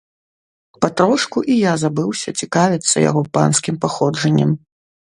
Патрошку і я забыўся цікавіцца яго панскім паходжаннем.